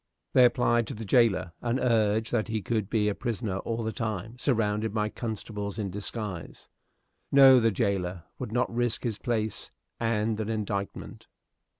They applied to the jailer, and urged that he could be a prisoner all the time, surrounded by constables in disguise. No; the jailer would not risk his place and an indictment.